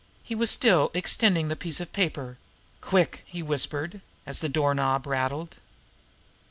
He was still extending the piece of paper. "Quick!" he whispered, as the door knob rattled.